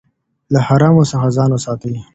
له حرامو څخه ځان وساتئ.